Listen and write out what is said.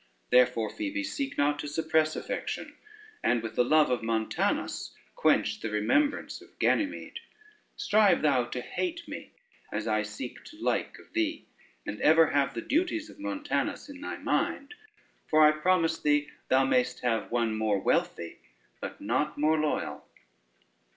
Therefore, Phoebe, seek not to suppress affection, and with the love of Montanus quench the remembrance of Ganymede; strive thou to hate me as I seek to like of thee, and ever have the duties of Montanus in thy mind, for I promise thee thou mayest have one more wealthy, but not more loyal."